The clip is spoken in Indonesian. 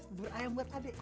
gubur ayam buat adik